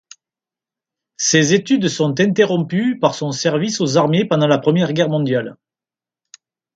Ses études sont interrompues par son service aux armées pendant la Première Guerre mondiale.